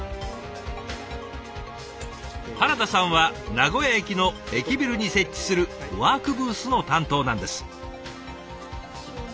原田さんは名古屋駅の駅ビルに設置するワークブースの担当なんです。